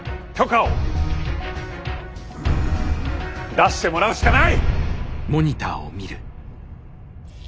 出してもらうしかない！